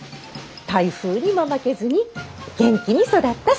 台風にも負けずに元気に育ったさ。